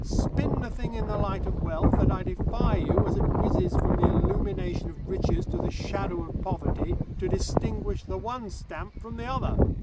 Spin the thing in the light of wealth, and I defy you, as it whizzes from the illumination of riches to the shadow of poverty, to distinguish the one stamp from the other.